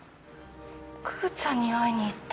クーちゃんに会いに行った。